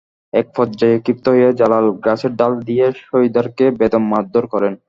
একপর্যায়ে ক্ষিপ্ত হয়ে জালাল গাছের ডাল দিয়ে সহিদারকে বেদম মারধর করেন।